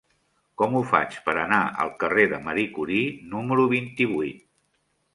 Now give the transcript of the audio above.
Com ho faig per anar al carrer de Marie Curie número vint-i-vuit?